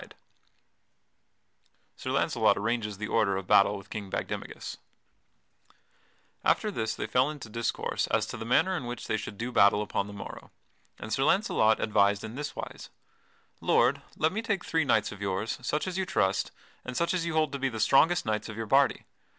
[Sidenote: Sir Launcelot arranges the order of battle with King Bagdemagus] After this they fell into discourse as to the manner in which they should do battle upon the morrow, and Sir Launcelot advised in this wise: "Lord, let me take three knights of yours, such as you trust, and such as you hold to be the strongest knights of your party.